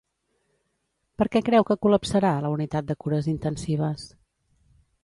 Per què creu que col·lapsarà la unitat de cures intensives?